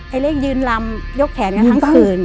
ไอ้เล็กยืนรำยกแขนกันทั้งคืน